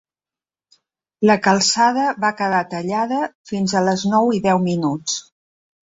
La calçada va quedar tallada fins a les nou i deu minuts.